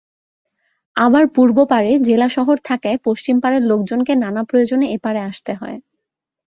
আবার পূর্বপারে জেলা শহর থাকায় পশ্চিমপারের লোকজনকে নানা প্রয়োজনে এপারে আসতে হয়।